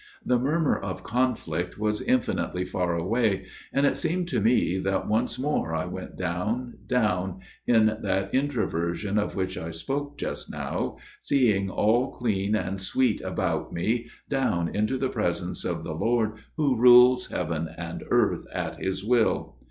The murmur of conflict was infinitely far away ; and it seemed to me that once more I went down, down, in that in troversion of which I spoke just now, seeing all clean and sweet about me, down into the presence of the Lord who rules Heaven and earth at His will.